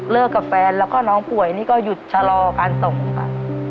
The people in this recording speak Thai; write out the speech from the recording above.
กับแฟนแล้วก็น้องป่วยนี่ก็หยุดชะลอการส่งค่ะ